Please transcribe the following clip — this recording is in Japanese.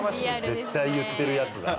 絶対言ってるやつだ。